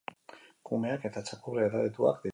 Kumeak eta txakur edadetuak dituzte.